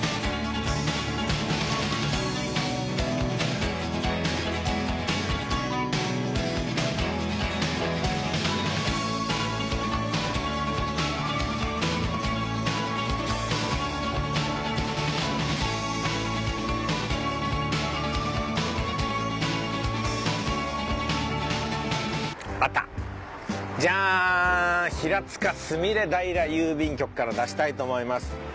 菫平郵便局から出したいと思います。